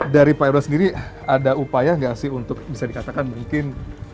dari pak edo sendiri ada upaya nggak sih untuk bisa dikatakan mungkin